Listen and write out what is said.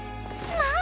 まあ！